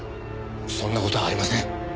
そんな事はありません。